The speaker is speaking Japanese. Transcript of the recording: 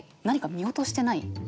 何か見落としてない？